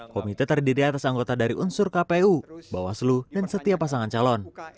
komite terdiri atas anggota dari unsur kpu bawaslu dan setiap pasangan calon